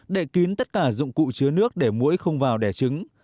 đậy kín tất cả dụng cụ chứa nước để mũi không vào đẻ trứng